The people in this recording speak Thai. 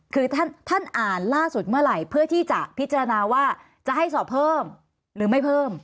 คือท่านอ่านล่าสุดเมื่อไหร่เพื่อที่จะพิจารณาว่าจะให้สอบเพิ่มหรือไม่เพิ่ม